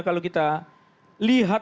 kalau kita lihat